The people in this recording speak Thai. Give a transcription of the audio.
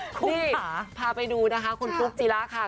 นี่พาไปดูนะคะคุณฟุ๊กจีระค่ะ